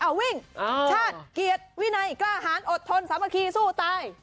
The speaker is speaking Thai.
เอาวิ่งชาติเกียรติวินัยกล้าหารอดทนสามัคคีสู้ตาย